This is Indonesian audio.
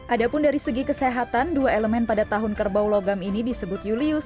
adapun dari segi kesehatan dua elemen pada tahun kerbau logam ini disebut julius